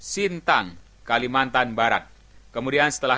bila ku susah berak kebanku